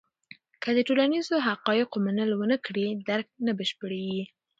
که د ټولنیزو حقایقو منل ونه کړې، درک نه بشپړېږي.